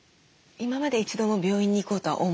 今まで一度も病院に行こうとは。